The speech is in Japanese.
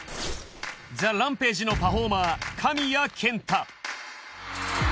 ＴＨＥＲＡＭＰＡＧＥのパフォーマー神谷健太。